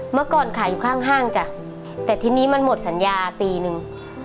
เมื่อก่อนขายอยู่ข้างห้างจ้ะแต่ทีนี้มันหมดสัญญาปีนึง